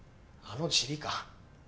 あのチビか。